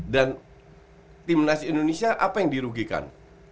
dan timnas indonesia apa yang dirugikan